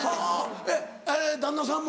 えっ旦那さんも？